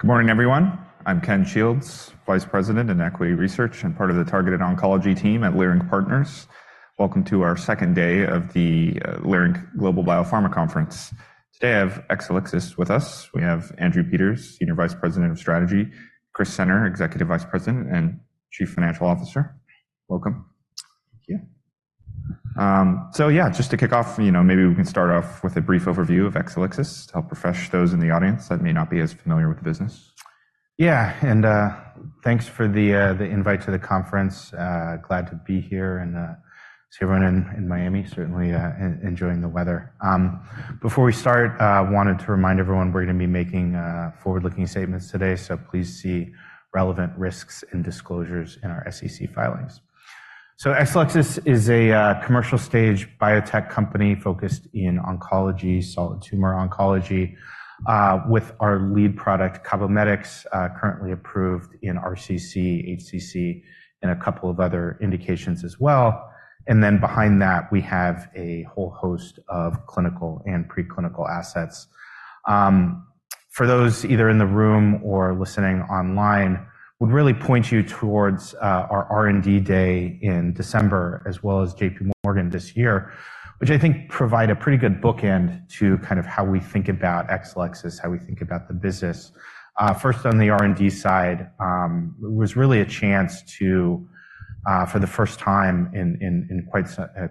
Good morning, everyone. I'm Ken Shields, Vice President in Equity Research and part of the Targeted Oncology team at Leerink Partners. Welcome to our second day of the Leerink Global Biopharma Conference. Today, I have Exelixis with us. We have Andrew Peters, Senior Vice President of Strategy, Chris Senner, Executive Vice President and Chief Financial Officer. Welcome. Thank you. Just to kick off, you know, maybe we can start off with a brief overview of Exelixis to help refresh those in the audience that may not be as familiar with the business. Yeah, and, thanks for the, the invite to the conference. Glad to be here and, see everyone in, in Miami. Certainly, enjoying the weather. Before we start, I wanted to remind everyone we're going to be making forward-looking statements today, so please see relevant risks and disclosures in our SEC filings. So Exelixis is a, commercial-stage biotech company focused in oncology, solid tumor oncology, with our lead product, CABOMETYX, currently approved in RCC, HCC, and a couple of other indications as well. And then behind that, we have a whole host of clinical and preclinical assets. For those either in the room or listening online, would really point you towards our R&D day in December, as well as J.P. Morgan this year, which I think provide a pretty good bookend to kind of how we think about Exelixis, how we think about the business. First, on the R&D side, was really a chance, for the first time in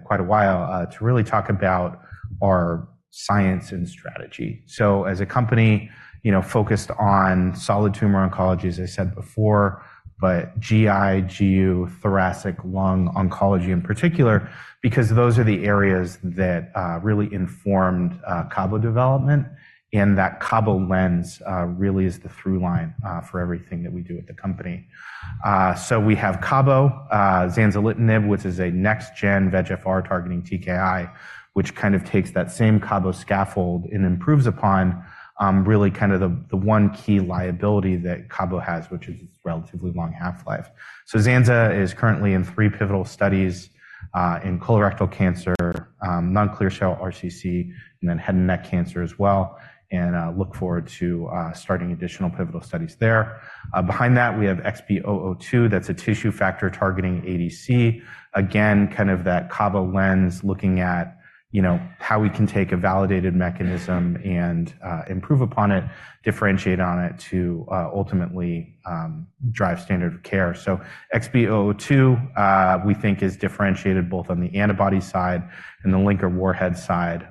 quite a while, to really talk about our science and strategy. As a company, you know, focused on solid tumor oncology, as I said before, but GI, GU, thoracic, lung oncology in particular, because those are the areas that really informed Cabo development, and that Cabo lens really is the through line for everything that we do at the company. We have Cabo, zanzalintinib, which is a next gen VEGFR targeting TKI, which kind of takes that same cabo scaffold and improves upon, really kind of the one key liability that Cabo has, which is its relatively long half-life. So Zanza is currently in three pivotal studies in colorectal cancer, non-clear cell RCC, and then head and neck cancer as well, and look forward to starting additional pivotal studies there. Behind that, we have XB002, that's a tissue factor targeting ADC. Again, kind of that cabo lens, looking at, you know, how we can take a validated mechanism and improve upon it, differentiate on it to ultimately drive standard of care. XB002, we think is differentiated both on the antibody side and the linker warhead side,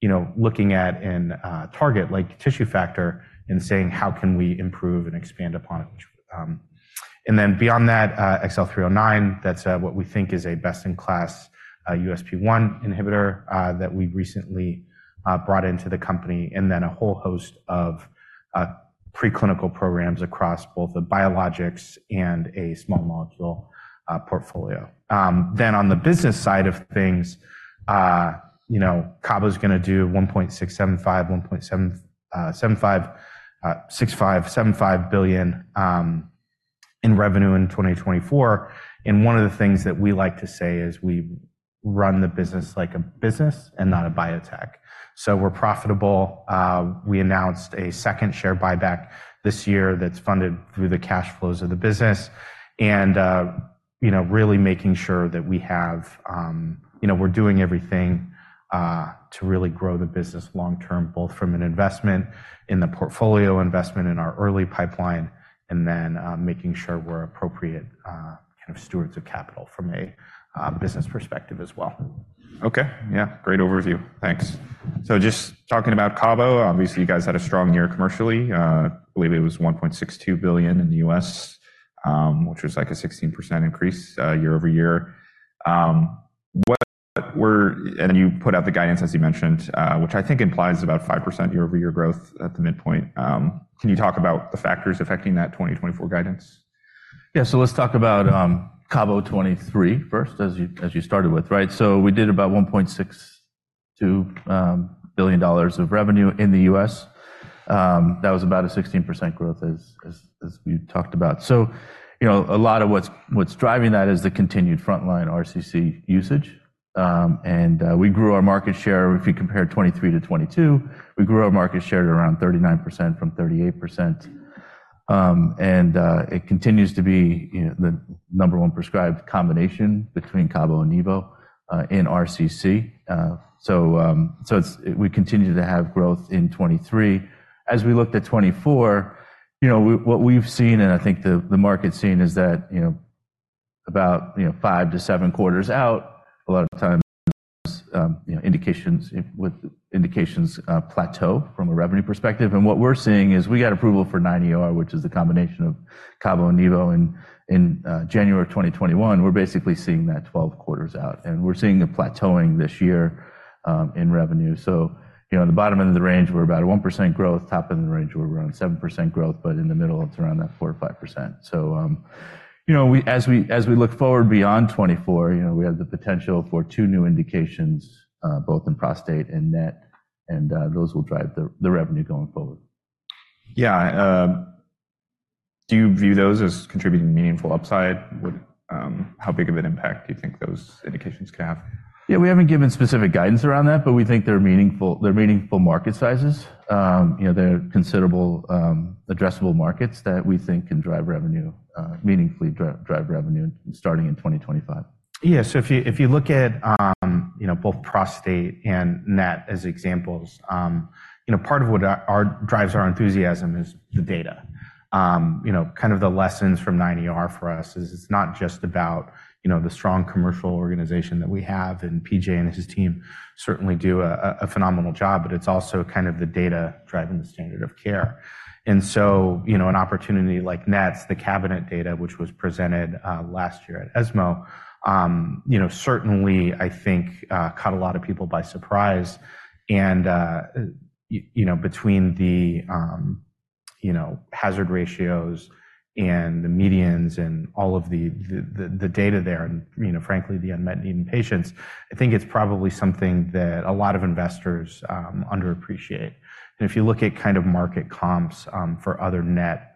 you know, looking at a target like tissue factor and saying, how can we improve and expand upon it? And then beyond that, XL309, that's what we think is a best-in-class USP1 inhibitor that we recently brought into the company, and then a whole host of preclinical programs across both the biologics and a small molecule portfolio. Then on the business side of things, you know, cabo is going to do $1.675 billion-$1.75 billion in revenue in 2024. And one of the things that we like to say is we run the business like a business and not a biotech. So we're profitable. We announced a second share buyback this year that's funded through the cash flows of the business and, you know, really making sure that we have, you know, we're doing everything to really grow the business long term, both from an investment in the portfolio, investment in our early pipeline, and then, making sure we're appropriate kind of stewards of capital from a business perspective as well. Okay. Yeah, great overview. Thanks. So just talking about cabo, obviously, you guys had a strong year commercially. Believe it was $1.62 billion in the US, which was like a 16% increase year-over-year. And you put out the guidance, as you mentioned, which I think implies about 5% year-over-year growth at the midpoint. Can you talk about the factors affecting that 2024 guidance? Yeah. So let's talk about Cabo 2023 first, as you started with, right? So we did about $1.62 billion of revenue in the US. That was about a 16% growth as we talked about. So, you know, a lot of what's driving that is the continued frontline RCC usage. And we grew our market share. If you compare 2023 to 2022, we grew our market share to around 39% from 38%. And it continues to be, you know, the number one prescribed combination between cabo and nivo in RCC. So it's we continue to have growth in 2023. As we looked at 2024, you know, what we've seen, and I think the market's seen, is that, you know, about, you know, 5-7 quarters out, a lot of times, you know, indications with indications plateau from a revenue perspective. And what we're seeing is we got approval for CheckMate-9ER, which is the combination of cabo and nivo in January 2021. We're basically seeing that 12 quarters out, and we're seeing a plateauing this year in revenue. So, you know, in the bottom end of the range, we're about a 1% growth. Top end of the range, we're around 7% growth, but in the middle, it's around that 4%-5%. You know, we, as we look forward beyond 2024, you know, we have the potential for two new indications, both in prostate and NET, and those will drive the revenue going forward. Yeah, um-... Do you view those as contributing to meaningful upside? What, how big of an impact do you think those indications can have? Yeah, we haven't given specific guidance around that, but we think they're meaningful, they're meaningful market sizes. You know, they're considerable addressable markets that we think can drive revenue meaningfully drive revenue starting in 2025. Yeah, so if you look at, you know, both prostate and NET as examples, you know, part of what drives our enthusiasm is the data. You know, kind of the lessons from 9ER for us is it's not just about, you know, the strong commercial organization that we have, and PJ and his team certainly do a phenomenal job, but it's also kind of the data driving the standard of care. And so, you know, an opportunity like NET's, the cabozantinib data, which was presented last year at ESMO, you know, certainly, I think, caught a lot of people by surprise. Between the hazard ratios and the medians and all of the data there and, you know, frankly, the unmet need in patients, I think it's probably something that a lot of investors underappreciate. And if you look at kind of market comps for other NET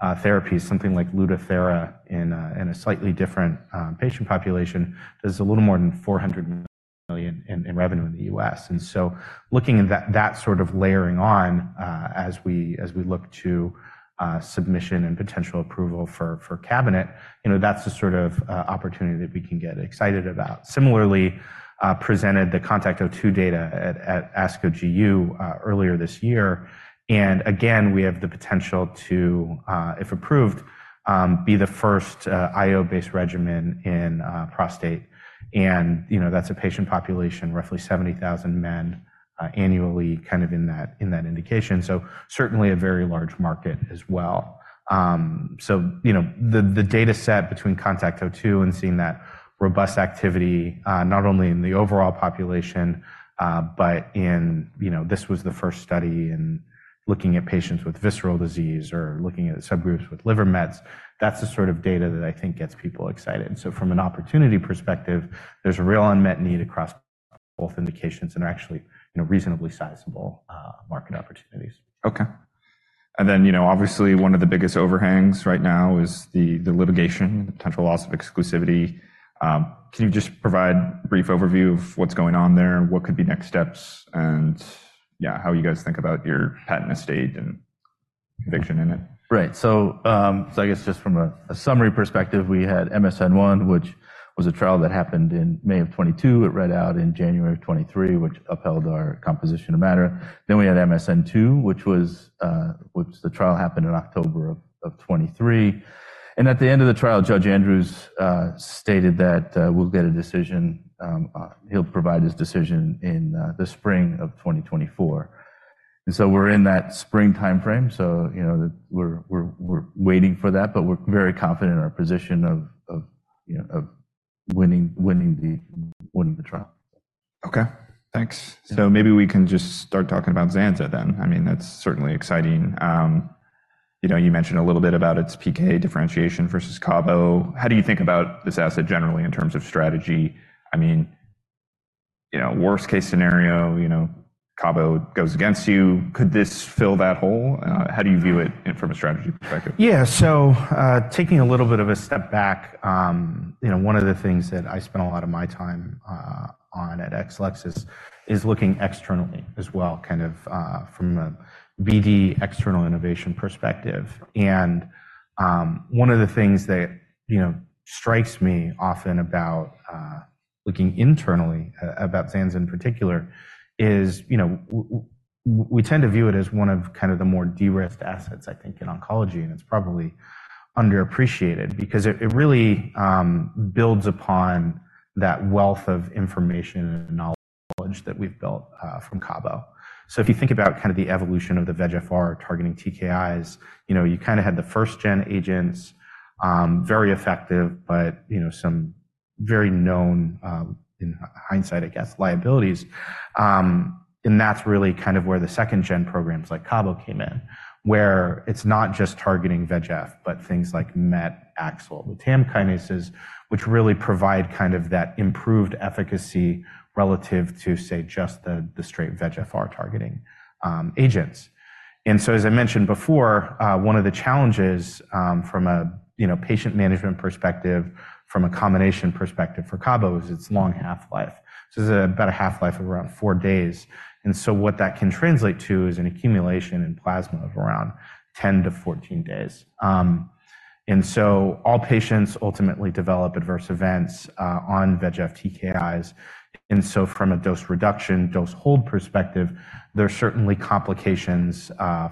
therapies, something like Lutathera in a slightly different patient population, is a little more than $400 million in revenue in the U.S. And so looking at that, that sort of layering on, as we look to submission and potential approval for Cabometyx, you know, that's the sort of opportunity that we can get excited about. Similarly, presented the CONTACT-02 data at ASCO GU earlier this year, and again, we have the potential to, if approved, be the first IO-based regimen in prostate. And, you know, that's a patient population, roughly 70,000 men annually, kind of in that indication, so certainly a very large market as well. So, you know, the data set between CONTACT-02 and seeing that robust activity not only in the overall population, but in... This was the first study in looking at patients with visceral disease or looking at subgroups with liver mets. That's the sort of data that I think gets people excited. And so from an opportunity perspective, there's a real unmet need across both indications and are actually, you know, reasonably sizable market opportunities. Okay. And then, you know, obviously, one of the biggest overhangs right now is the litigation, potential loss of exclusivity. Can you just provide a brief overview of what's going on there, what could be next steps, and, yeah, how you guys think about your patent estate and conviction in it? Right. So, I guess just from a summary perspective, we had MSN I, which was a trial that happened in May 2022. It read out in January 2023, which upheld our composition of matter. Then we had MSN II, which was the trial that happened in October 2023. And at the end of the trial, Judge Andrews stated that we'll get a decision, he'll provide his decision in the spring of 2024. And so we're in that spring timeframe, so you know, we're waiting for that, but we're very confident in our position of you know, of winning the trial. Okay, thanks. So maybe we can just start talking about Zanza then. I mean, that's certainly exciting. You know, you mentioned a little bit about its PK differentiation versus CABO. How do you think about this asset generally in terms of strategy? I mean, you know, worst-case scenario, you know, CABO goes against you. Could this fill that hole? How do you view it from a strategy perspective? Yeah. So, taking a little bit of a step back, you know, one of the things that I spend a lot of my time on at Exelixis is looking externally as well, kind of, from a BD external innovation perspective. And, one of the things that, you know, strikes me often about, looking internally about Zanza in particular is, you know, we tend to view it as one of kind of the more de-risked assets, I think, in oncology, and it's probably underappreciated because it, it really, builds upon that wealth of information and knowledge that we've built, from CABO. If you think about kind of the evolution of the VEGF-R targeting TKIs, you know, you kinda had the first-gen agents, very effective, but, you know, some very known, in hindsight, I guess, liabilities. That's really kind of where the second-gen programs like CABO came in, where it's not just targeting VEGF, but things like MET, AXL, the TAM kinases, which really provide kind of that improved efficacy relative to, say, just the straight VEGF-R targeting agents. As I mentioned before, one of the challenges, from a, you know, patient management perspective, from a combination perspective for CABO, is its long half-life. So it's about a half-life of around 4 days, and so what that can translate to is an accumulation in plasma of around 10-14 days. And so all patients ultimately develop adverse events on VEGF TKIs, and so from a dose reduction, dose hold perspective, there are certainly complications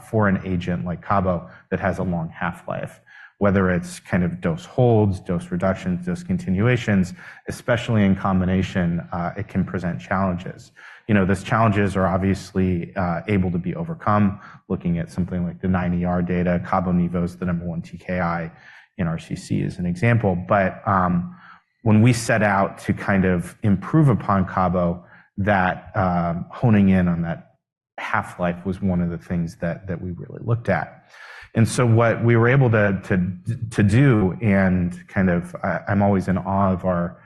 for an agent like CABO that has a long half-life. Whether it's kind of dose holds, dose reductions, dose continuations, especially in combination, it can present challenges. You know, those challenges are obviously able to be overcome. Looking at something like the 9ER data, cabo-nivo is the number one TKI in RCC, as an example. When we set out to kind of improve upon CABO, that honing in on that half-life was one of the things that we really looked at. And so what we were able to do and kind of... I'm always in awe of our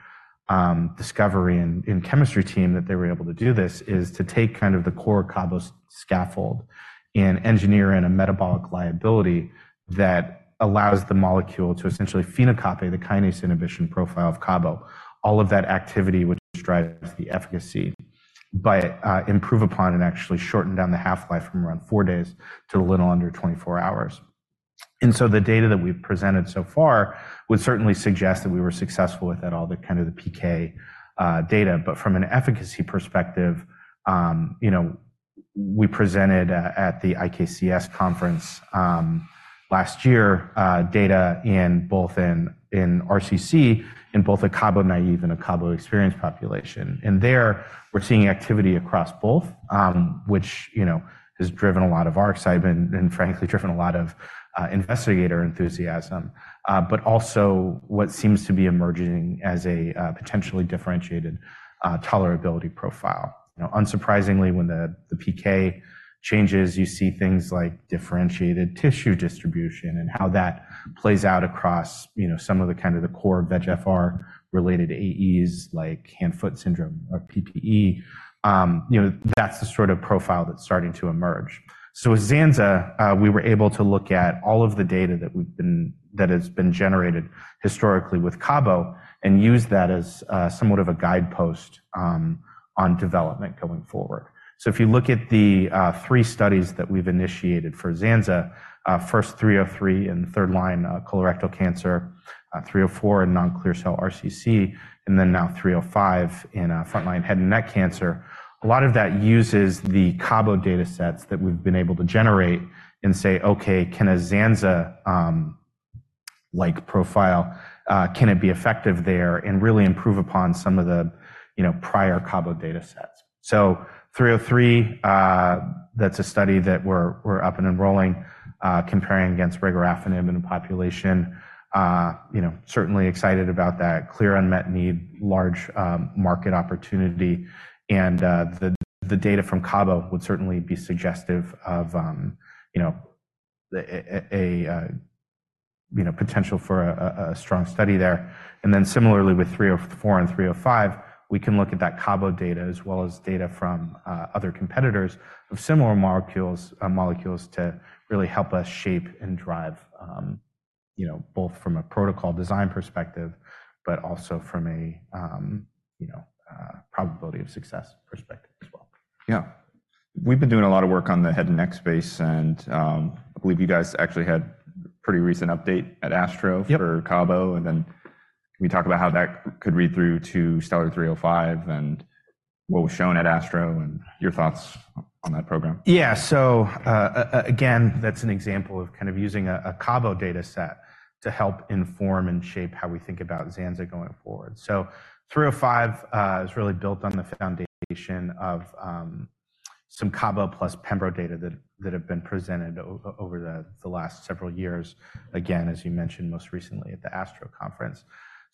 discovery and chemistry team that they were able to do this, is to take kind of the core CABO scaffold and engineer in a metabolic liability that allows the molecule to essentially phenocopy the kinase inhibition profile of CABO. All of that activity, which drives the efficacy, but, improve upon and actually shorten down the half-life from around 4 days to a little under 24 hours. And so the data that we've presented so far would certainly suggest that we were successful with all the kind of the PK, data. But from an efficacy perspective, you know, we presented, at the IKCS conference, last year, data in both in, in RCC, in both a CABO-naive and a CABO-experienced population. And there, we're seeing activity across both, which, you know, has driven a lot of our excitement and frankly, driven a lot of, investigator enthusiasm, but also what seems to be emerging as a, potentially differentiated, tolerability profile. You know, unsurprisingly, when the PK changes, you see things like differentiated tissue distribution and how that plays out across, you know, some of the kind of the core VEGF-R-related AEs, like hand foot syndrome or PPE. You know, that's the sort of profile that's starting to emerge. So with Zanza, we were able to look at all of the data that has been generated historically with CABO and use that as, somewhat of a guidepost, on development going forward. If you look at the three studies that we've initiated for ZANZA, first 303 in third line colorectal cancer, 304 in non-clear cell RCC, and then now 305 in front line head and neck cancer, a lot of that uses the CABO data sets that we've been able to generate and say, "Okay, can a ZANZA like profile can it be effective there and really improve upon some of the, you know, prior CABO data sets?" So 303, that's a study that we're up and enrolling, comparing against regorafenib in a population. You know, certainly excited about that clear unmet need, large market opportunity, and the data from CABO would certainly be suggestive of, you know, a potential for a strong study there. Then similarly with 3 or 4 and 3 or 5, we can look at that CABO data as well as data from other competitors of similar molecules, molecules to really help us shape and drive, you know, both from a protocol design perspective, but also from a probability of success perspective as well. Yeah. We've been doing a lot of work on the head and neck space, and, I believe you guys actually had pretty recent update at ASCO- Yep. for CABO, and then can we talk about how that could read through to STELLAR-305 and what was shown at ASCO and your thoughts on that program? Yeah. So, again, that's an example of kind of using a CABO data set to help inform and shape how we think about ZANZA going forward. So 305 is really built on the foundation of some CABO plus pembro data that have been presented over the last several years. Again, as you mentioned, most recently at the ASCO Conference.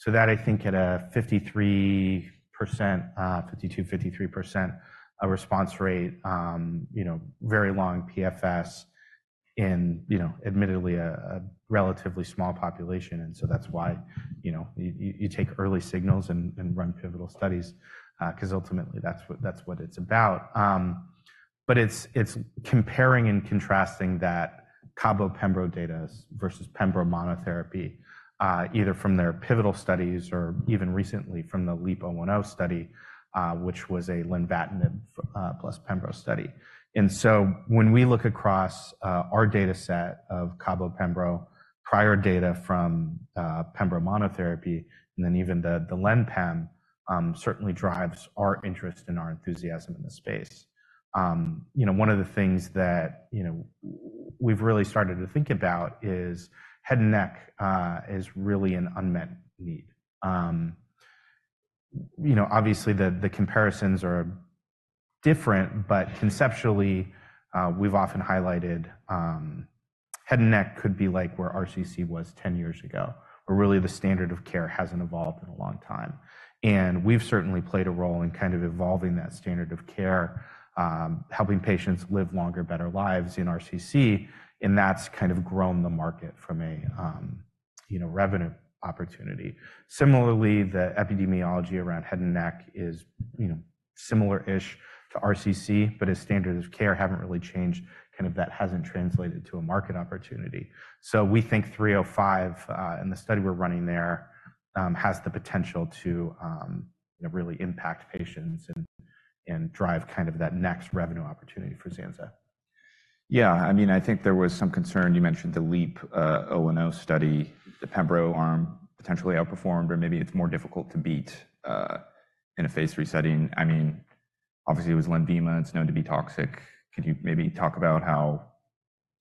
So that, I think, at a 53% 52%-53% response rate, you know, very long PFS in, you know, admittedly a relatively small population, and so that's why, you know, you take early signals and run pivotal studies, 'cause ultimately, that's what it's about. But it's comparing and contrasting that CABO pembro data versus pembro monotherapy, either from their pivotal studies or even recently from the LEAP-010 study, which was a lenvatinib plus pembro study. And so when we look across our data set of CABO pembro, prior data from pembro monotherapy, and then even the Len/Pem, certainly drives our interest and our enthusiasm in the space. You know, one of the things that, you know, we've really started to think about is head and neck, is really an unmet need. You know, obviously, the comparisons are different, but conceptually, we've often highlighted, head and neck could be like where RCC was ten years ago, or really, the standard of care hasn't evolved in a long time. We've certainly played a role in kind of evolving that standard of care, helping patients live longer, better lives in RCC, and that's kind of grown the market from a, you know, revenue opportunity. Similarly, the epidemiology around head and neck is, you know, similar-ish to RCC, but as standard of care haven't really changed, kind of that hasn't translated to a market opportunity. So we think 305, and the study we're running there, has the potential to really impact patients and, and drive kind of that next revenue opportunity for ZANZA. Yeah, I mean, I think there was some concern. You mentioned the LEAP-010 study, the pembro arm potentially outperformed, or maybe it's more difficult to beat, in a phase three setting. I mean, obviously, it was LENVIMA. It's known to be toxic. Could you maybe talk about how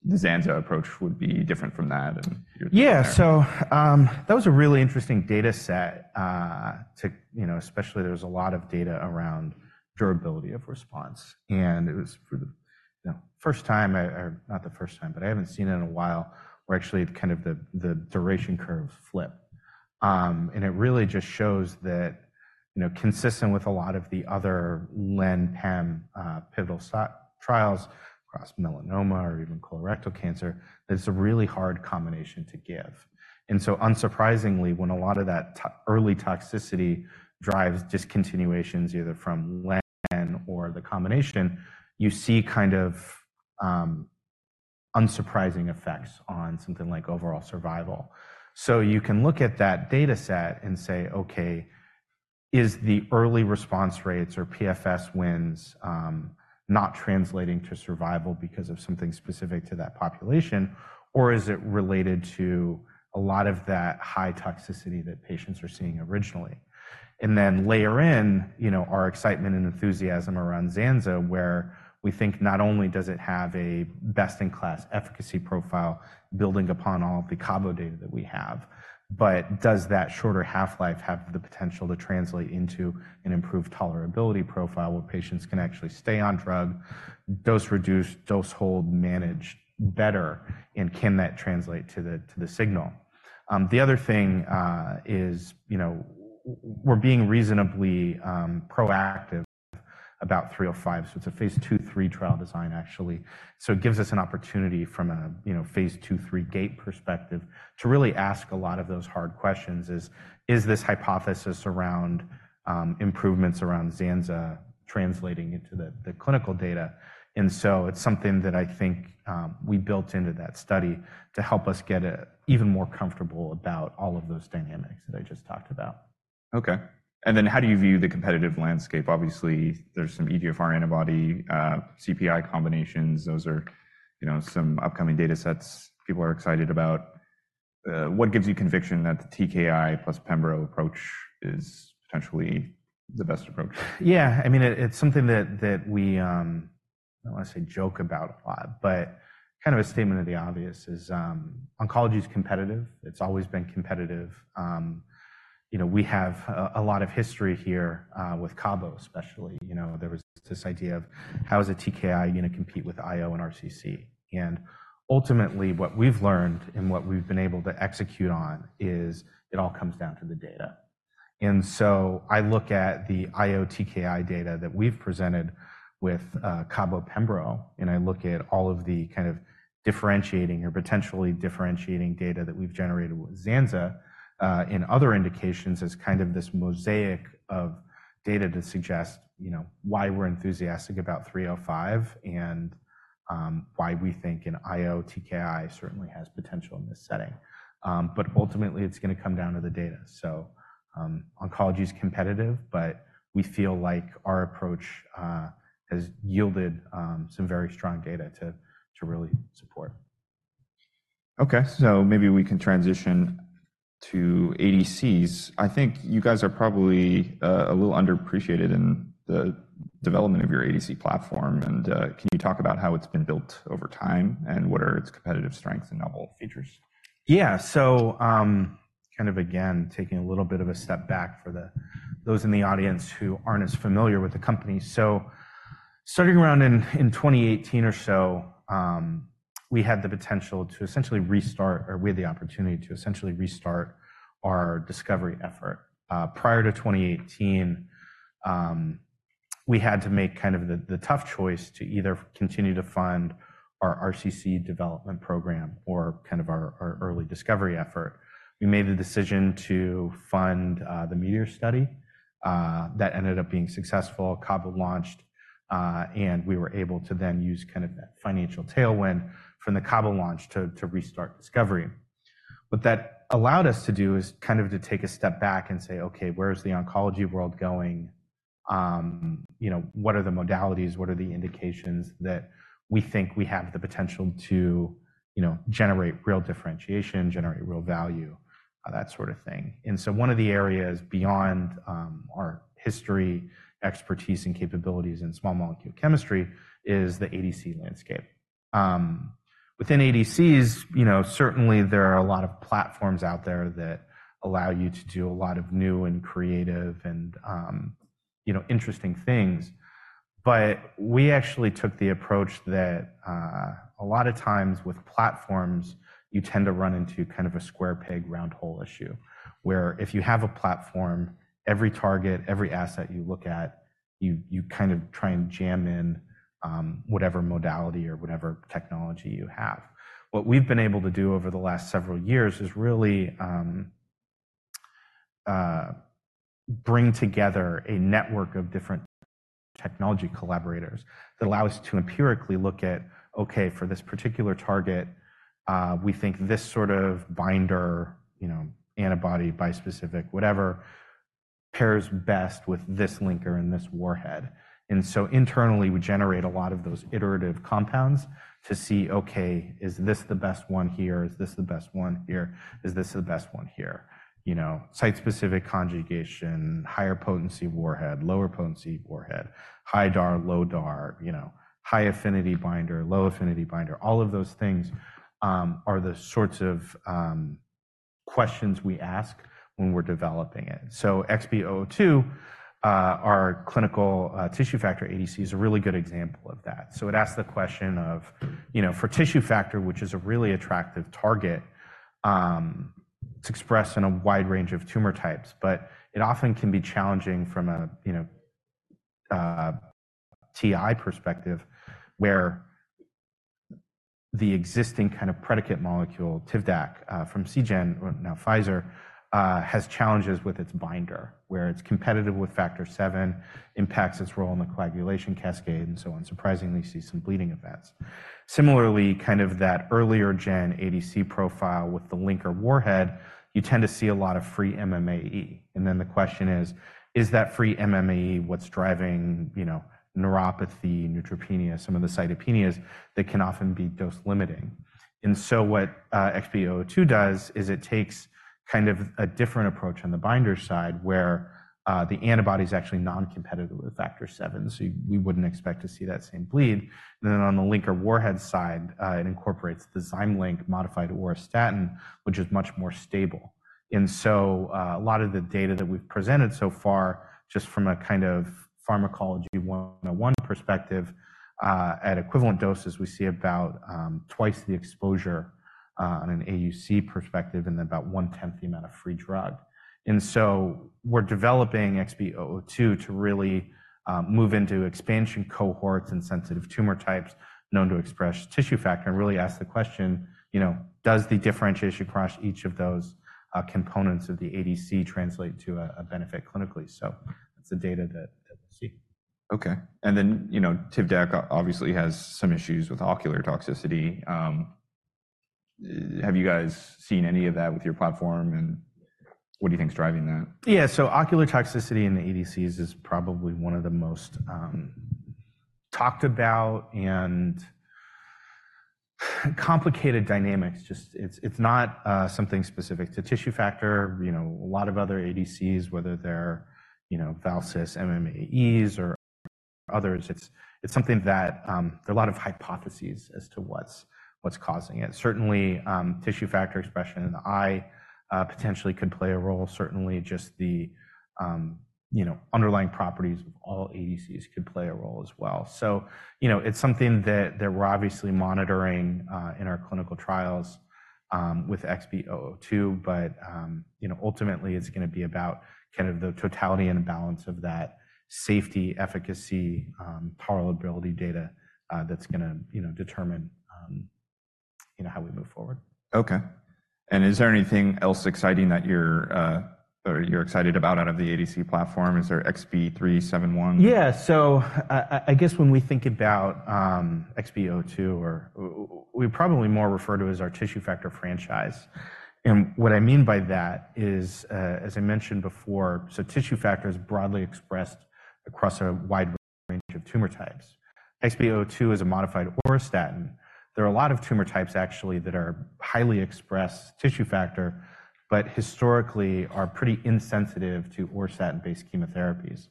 the zanza approach would be different from that and- Yeah. So, that was a really interesting data set. You know, especially, there was a lot of data around durability of response, and it was for the, you know, first time, or not the first time, but I haven't seen it in a while, where actually kind of the, the duration curve flip. And it really just shows that, you know, consistent with a lot of the other Len/Pem, pivotal trials across melanoma or even colorectal cancer, it's a really hard combination to give. And so unsurprisingly, when a lot of that early toxicity drives discontinuations, either from Len or the combination, you see kind of, unsurprising effects on something like overall survival. So you can look at that data set and say, "Okay, is the early response rates or PFS wins not translating to survival because of something specific to that population, or is it related to a lot of that high toxicity that patients were seeing originally?" And then layer in, you know, our excitement and enthusiasm around Zanza, where we think not only does it have a best-in-class efficacy profile building upon all of the cabo data that we have, but does that shorter half-life have the potential to translate into an improved tolerability profile, where patients can actually stay on drug, dose reduce, dose hold, manage better, and can that translate to the signal? The other thing is, you know, we're being reasonably proactive about 305. So it's a phase 2/3 trial design, actually. It gives us an opportunity from a, you know, phase 2, 3 gate perspective to really ask a lot of those hard questions is: Is this hypothesis around improvements around Zanza translating into the, the clinical data? And so it's something that I think we built into that study to help us get even more comfortable about all of those dynamics that I just talked about. Okay. And then how do you view the competitive landscape? Obviously, there's some EGFR antibody, CPI combinations. Those are, you know, some upcoming data sets people are excited about. What gives you conviction that the TKI plus pembro approach is potentially the best approach? Yeah, I mean, it's something that we, I don't want to say joke about a lot, but kind of a statement of the obvious is, oncology is competitive. It's always been competitive. You know, we have a lot of history here, with cabo especially. You know, there was this idea of: How is a TKI going to compete with IO and RCC? And ultimately, what we've learned and what we've been able to execute on is it all comes down to the data. So I look at the IO TKI data that we've presented with cabo pembro, and I look at all of the kind of differentiating or potentially differentiating data that we've generated with Zanza in other indications as kind of this mosaic of data to suggest, you know, why we're enthusiastic about 305 and why we think an IO TKI certainly has potential in this setting. But ultimately, it's going to come down to the data. So oncology is competitive, but we feel like our approach has yielded some very strong data to really support. Okay, so maybe we can transition to ADCs. I think you guys are probably a little underappreciated in the development of your ADC platform, and can you talk about how it's been built over time, and what are its competitive strengths and novel features? Yeah. So, kind of again, taking a little bit of a step back for those in the audience who aren't as familiar with the company. So starting around in 2018 or so, we had the opportunity to essentially restart our discovery effort. Prior to 2018, we had to make kind of the tough choice to either continue to fund our RCC development program or kind of our early discovery effort. We made the decision to fund the METEOR study that ended up being successful. Cabo launched, and we were able to then use kind of that financial tailwind from the cabo launch to restart discovery. What that allowed us to do is kind of to take a step back and say, "Okay, where is the oncology world going? You know, what are the modalities? What are the indications that we think we have the potential to, you know, generate real differentiation, generate real value? That sort of thing. And so one of the areas beyond our history, expertise, and capabilities in small molecule chemistry is the ADC landscape. Within ADCs, you know, certainly there are a lot of platforms out there that allow you to do a lot of new and creative and, you know, interesting things. But we actually took the approach that a lot of times with platforms, you tend to run into kind of a square peg, round hole issue, where if you have a platform, every target, every asset you look at, you kind of try and jam in whatever modality or whatever technology you have. What we've been able to do over the last several years is really bring together a network of different technology collaborators that allow us to empirically look at, "Okay, for this particular target, we think this sort of binder, you know, antibody, bispecific, whatever, pairs best with this linker and this warhead." And so internally, we generate a lot of those iterative compounds to see, "Okay, is this the best one here? Is this the best one here? Is this the best one here?" You know, site-specific conjugation, higher potency warhead, lower potency warhead, high DAR, low DAR, you know, high affinity binder, low affinity binder. All of those things are the sorts of questions we ask when we're developing it. So XB-002, our clinical tissue factor ADC, is a really good example of that. So it asks the question of, you know, for tissue factor, which is a really attractive target, it's expressed in a wide range of tumor types, but it often can be challenging from a, TI perspective, where the existing kind of predicate molecule, Tivdak, from Seagen, or now Pfizer, has challenges with its binder, where it's competitive with Factor VII, impacts its role in the coagulation cascade, and so on. Surprisingly, you see some bleeding events. Similarly, kind of that earlier gen ADC profile with the linker warhead, you tend to see a lot of free MMAE. And then the question is: Is that free MMAE what's driving, you know, neuropathy, neutropenia, some of the cytopenias that can often be dose-limiting? What XB002 does is it takes kind of a different approach on the binder side, where the antibody is actually non-competitive with factor VII, so we wouldn't expect to see that same bleed. And then on the linker warhead side, it incorporates the ZymLink modified auristatin, which is much more stable. A lot of the data that we've presented so far, just from a kind of pharmacology one-on-one perspective, at equivalent doses, we see about twice the exposure on an AUC perspective and about one-tenth the amount of free drug. And so we're developing XB002 to really move into expansion cohorts and sensitive tumor types known to express tissue factor and really ask the question, you know, does the differentiation across each of those components of the ADC translate to a benefit clinically? That's the data that we see. Okay. And then, you know, Tivdak obviously has some issues with ocular toxicity. Have you guys seen any of that with your platform, and what do you think is driving that? Yeah. So ocular toxicity in the ADCs is probably one of the most, talked about and complicated dynamics. It's, it's not, something specific to tissue factor. You know, a lot of other ADCs, whether they're, you know, Val-Cit, MMAEs, or others, it's, it's something that, there are a lot of hypotheses as to what's, what's causing it. Certainly, tissue factor expression in the eye, potentially could play a role. Certainly, just the, you know, underlying properties of all ADCs could play a role as well. So, you know, it's something that, that we're obviously monitoring, in our clinical trials, with XB-002, but, you know, ultimately, it's gonna be about kind of the totality and balance of that safety, efficacy, tolerability data, that's gonna, you know, determine, you know, how we move forward. Okay. And is there anything else exciting that you're, or you're excited about out of the ADC platform? Is there XB371? Yeah. So I guess when we think about XB-002 or... We probably more refer to as our tissue factor franchise. And what I mean by that is, as I mentioned before, so tissue factor is broadly expressed across a wide range of tumor types. XB-002 is a modified auristatin. There are a lot of tumor types, actually, that are highly expressed tissue factor, but historically are pretty insensitive to auristatin-based chemotherapies.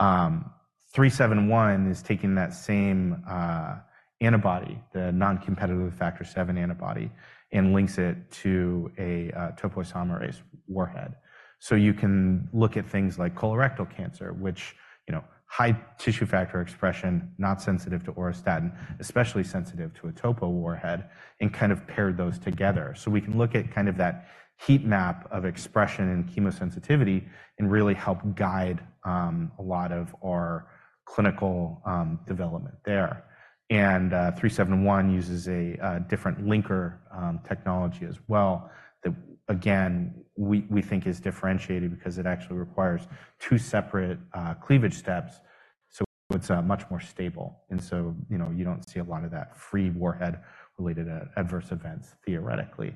XB371 is taking that same antibody, the non-competitive factor VII antibody, and links it to a topoisomerase warhead. So you can look at things like colorectal cancer, which, you know, high tissue factor expression, not sensitive to auristatin, especially sensitive to a topo warhead, and kind of pair those together. We can look at kind of that heat map of expression and chemosensitivity and really help guide a lot of our clinical development there. XB371 uses a different linker technology as well, that again we think is differentiated because it actually requires two separate cleavage steps, so it's much more stable, and so you know you don't see a lot of that free warhead-related adverse events, theoretically.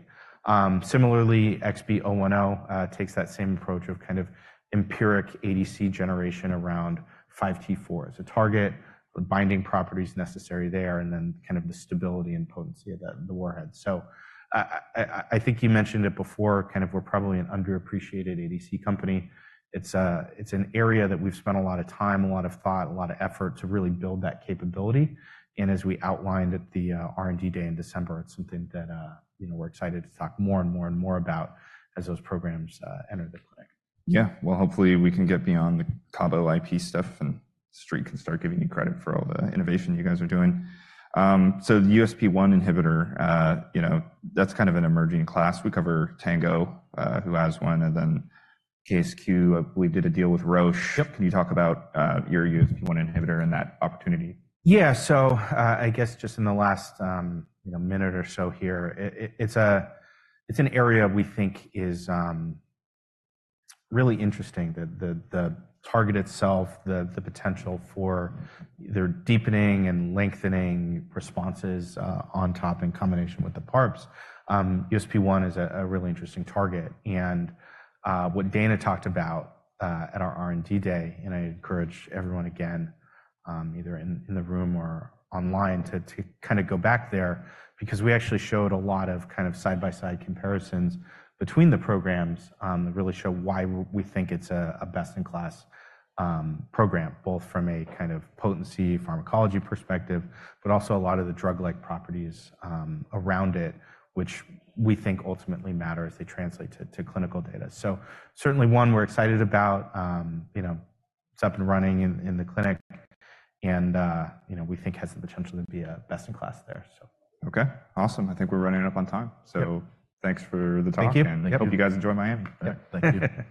Similarly, XB010 takes that same approach of kind of empirical ADC generation around 5T4. So target the binding properties necessary there, and then kind of the stability and potency of the warhead. So I think you mentioned it before, kind of we're probably an underappreciated ADC company. It's an area that we've spent a lot of time, a lot of thought, a lot of effort to really build that capability. As we outlined at the R&D day in December, it's something that, you know, we're excited to talk more and more and more about as those programs enter the clinic. Yeah. Well, hopefully, we can get beyond the cabo IP stuff, and the street can start giving you credit for all the innovation you guys are doing. So the USP1 inhibitor, you know, that's kind of an emerging class. We cover Tango, who has one, and then KSQ, I believe, did a deal with Roche. Yep. Can you talk about your USP1 inhibitor and that opportunity? Yeah. So, I guess just in the last, you know, minute or so here, it's an area we think is really interesting. The target itself, the potential for their deepening and lengthening responses, on top in combination with the PARPs. USP1 is a really interesting target, and what Dana talked about at our R&D day, and I encourage everyone again, either in the room or online, to kind of go back there because we actually showed a lot of kind of side-by-side comparisons between the programs, that really show why we think it's a best-in-class program, both from a kind of potency, pharmacology perspective, but also a lot of the drug-like properties around it, which we think ultimately matter as they translate to clinical data. Certainly one we're excited about, you know, it's up and running in the clinic, and, you know, we think has the potential to be a best-in-class there, so. Okay, awesome. I think we're running up on time. Yep. Thanks for the talk. Thank you. I hope you guys enjoy Miami. Yeah. Thank you.